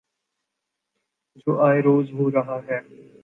جو آئے روز ہو رہا ہے۔